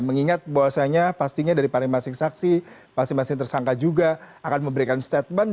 mengingat bahwasanya pastinya dari masing masing saksi masing masing tersangka juga akan memberikan statement